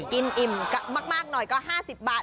อิ่มมากหน่อยก็๕๐บาท